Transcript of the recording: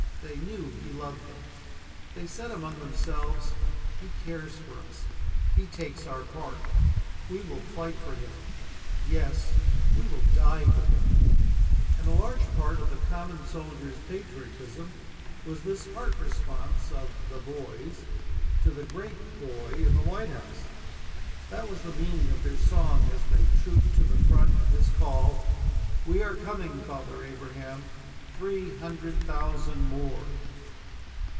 They knew he loved them. They said among themselves: "He cares for us. He takes our part. We will fight for him; yes, we will die for him." And a large part of the common soldier's patriotism was this heart response of "the boys" to the great "boy" in the White House. That was the meaning of their song as they trooped to the front at his call: "We are coming, Father Abraham; Three hundred thousand more."